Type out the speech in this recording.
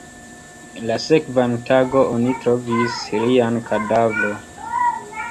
La sekvan tagon, oni trovis lian kadavron.